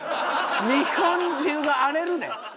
日本中が荒れるで。